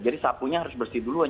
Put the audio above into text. jadi sapunya harus bersih duluan